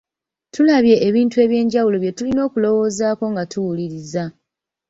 Tulabye ebintu eby’enjawulo bye tulina okulowoozaako nga tuwuliriza.